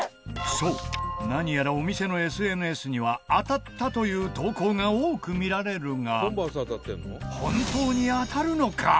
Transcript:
そう何やらお店のＳＮＳには当たったという投稿が多く見られるが本当に当たるのか？